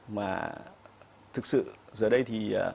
mà thực sự giờ đây thì